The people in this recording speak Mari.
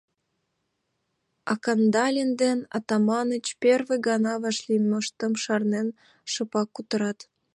А Кандалин ден Атаманыч, первый гана вашлиймыштым шарнен, шыпак кутырат.